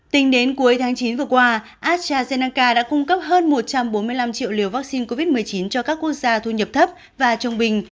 tính đến cuối tháng chín vừa qua astrazeneca đã cung cấp hơn một trăm bốn mươi năm triệu liều vaccine covid một mươi chín cho các quốc gia thu nhập thấp và trung bình